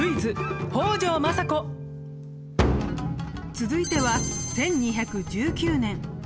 続いては１２１９年。